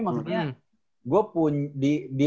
maksudnya gue punya di